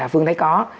phương thấy có